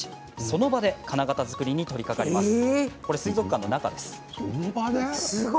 その場で金型作りに取りかかります。